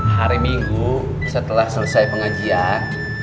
hari minggu setelah selesai pengajian